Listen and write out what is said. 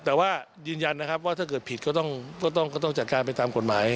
แต่ว่ายืนยันนะครับว่าถ้าเกิดผิดก็ต้องจัดการไปตามกฎหมาย